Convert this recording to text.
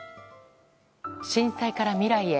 震災から未来へ。